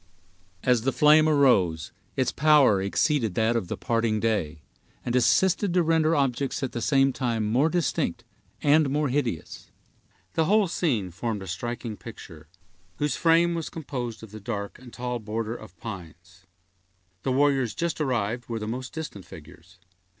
As the flame arose, its power exceeded that of the parting day, and assisted to render objects at the same time more distinct and more hideous. The whole scene formed a striking picture, whose frame was composed of the dark and tall border of pines. The warriors just arrived were the most distant figures.